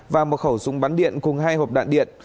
và một khẩu súng bắn điện cùng hai hộp đạn điện